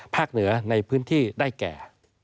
เหนือในพื้นที่ได้แก่